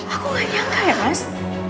aku gak nyangka ya mas